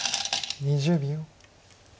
２０秒。